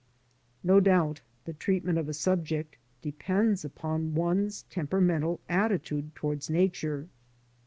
No doubt the treatment of a subject depends upon one's temperamental attitude toward Nature.